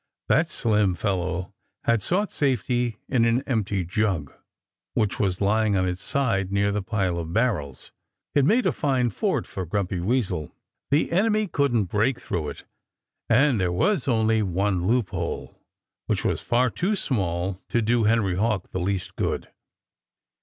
That slim fellow had sought safety in an empty jug, which was lying on its side near the pile of barrels. It made a fine fort for Grumpy Weasel. The enemy couldn't break through it. And there was only one loophole, which was far too small to do Henry Hawk the least good.